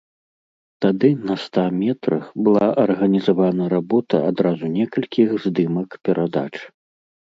Тады на ста метрах была арганізавана работа адразу некалькіх здымак перадач.